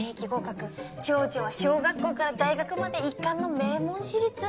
長女は小学校から大学まで一貫の名門私立。